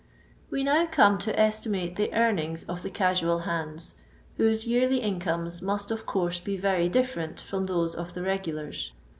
We now come to estimate the earnings of the casual hands, whose yearly incomes must, of course, be very different from those of the regu lars.